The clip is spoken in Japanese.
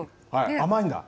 甘いんだ？